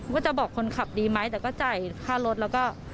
ก็จะบอกคนขับดีไหมแต่ก็จ่ายค่ารถแล้วก็